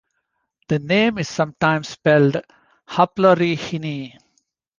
The name is sometimes spelled Haplorrhini.